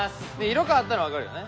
色変わったの分かるよね。